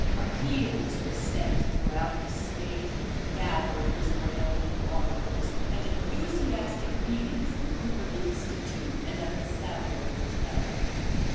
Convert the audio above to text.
Appeals were sent throughout the State, gatherings were held in parlors, and enthusiastic meetings in Cooper Institute and at the Savoy Hotel.